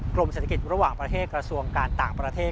กรมเศรษฐกิจระหว่างประเทศกระทรวงการต่างประเทศ